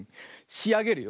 しあげるよ。